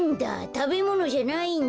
たべものじゃないんだ。